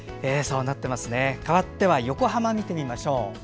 かわっては横浜を見てみましょう。